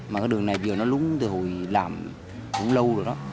mà cái đường này bây giờ nó lún từ hồi làm cũng lâu rồi đó